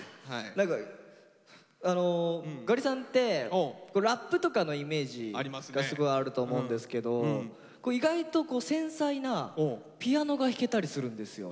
何かあのガリさんってラップとかのイメージがすごいあると思うんですけど意外と繊細なピアノが弾けたりするんですよ。